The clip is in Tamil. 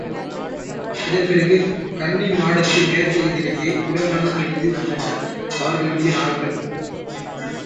இதன் பிறகு கன்னிமாடத்தின் மேற்பகுதிலேயே இன்பமாகக் கழிந்து வந்தன அவர்களுடைய நாள்கள்.